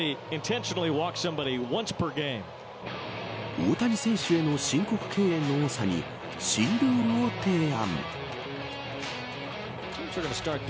大谷選手への申告敬遠の多さに新ルールを提案。